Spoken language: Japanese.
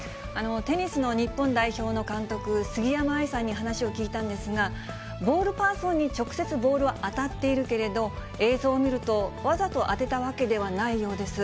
テニスの日本代表の監督、杉山愛さんに話を聞いたんですが、ボールパーソンに直接ボールは当たっているけれど、映像を見ると、わざと当てたわけではないようです。